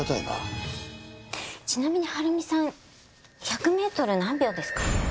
ちなみに晴美さん１００メートル何秒ですか？